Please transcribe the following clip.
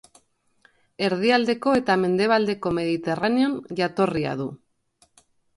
Erdialdeko eta mendebaldeko Mediterraneon jatorria du.